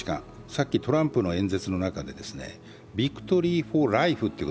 さっきトランプの演説の中でビクトリー・フォー・ライフという